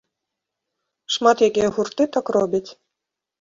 Шмат якія гурты так робяць.